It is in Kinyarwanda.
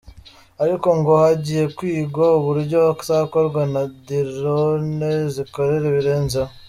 Ariko ngo hagiye kwigwa uburyo hazakorwa na “Dirone” zikorera ibirenzeho.